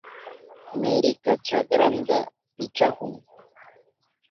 Meryka chakranta pichahun.